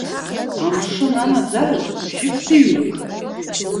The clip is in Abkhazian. Амшын анаӡараҿ бжьык ҭыҩуеит.